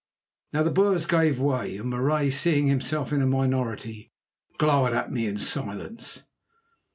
Now the Boers gave way, and Marais, seeing himself in a minority, glowered at me in silence.